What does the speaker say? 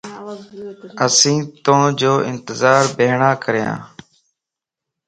اسين تو جو انتظار ٻيھڻا ڪريان